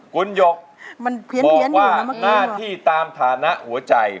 คุณหยกมันเพี้ยนอยู่นะเมื่อกี้บอกว่าหน้าที่ตามฐานะหัวใจ